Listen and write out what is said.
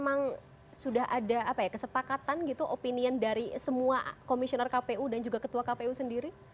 memang sudah ada kesepakatan gitu opinion dari semua komisioner kpu dan juga ketua kpu sendiri